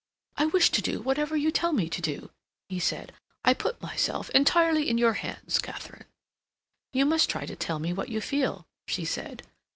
"I wish to do whatever you tell me to do," he said. "I put myself entirely in your hands, Katharine." "You must try to tell me what you feel," she said.